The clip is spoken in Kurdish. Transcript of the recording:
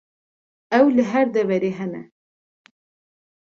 Ew li her deverê hene.